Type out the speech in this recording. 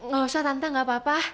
ga usah tante ga papa